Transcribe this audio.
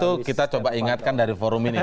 itu kita coba ingatkan dari forum ini